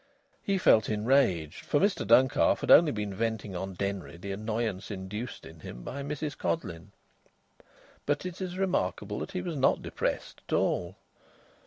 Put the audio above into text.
He felt enraged, for Mr Duncalf had only been venting on Denry the annoyance induced in him by Mrs Codleyn. But it is remarkable that he was not depressed at all.